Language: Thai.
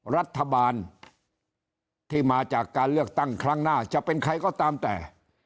รัฐบาลที่มาจากการเลือกตั้งครั้งหน้าจะเป็นใครก็ตามแต่